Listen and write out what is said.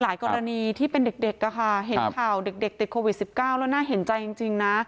กรณีที่เป็นเด็กเห็นข่าวเด็กติดโควิด๑๙แล้วน่าเห็นใจจริงนะ